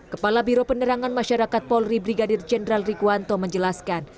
kepala biro penerangan masyarakat polri brigadir jenderal rikuanto menjelaskan